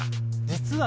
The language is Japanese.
実は。